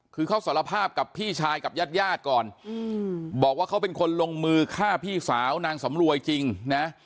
คือเขาสารภาพกับพี่ชายกับญาติญาติก่อนบอกว่าเขาเป็นคนลงมือฆ่าพี่สาวนางสำรวยจริงนะ